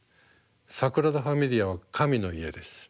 サグラダ・ファミリアは神の家です。